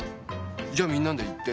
じゃあみんなで言って。